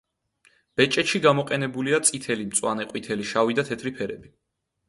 ბეჭედში გამოყენებულია წითელი, მწვანე, ყვითელი, შავი და თეთრი ფერები.